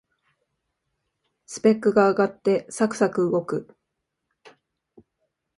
スペックが上がってサクサク動く